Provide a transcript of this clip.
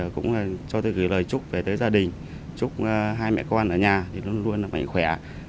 cũng cho tôi gửi lời chúc về tới gia đình chúc hai mẹ con ở nhà thì luôn luôn là mạnh khỏe